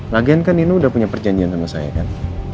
lagian kan ini udah punya perjanjian sama saya kan